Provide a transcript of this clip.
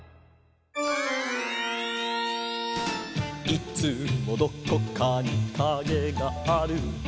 「いつもどこかにカゲがある」